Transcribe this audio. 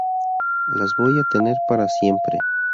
Las voy a tener para siempre".